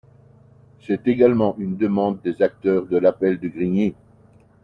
C’est également une demande des acteurs de l’appel de Grigny.